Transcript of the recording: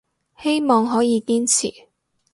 希望可以堅持